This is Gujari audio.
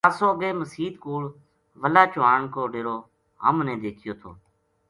خاصو اگے مسیت کول وَلا چوہان کو ڈیرو ہم نے دیکھیو تھو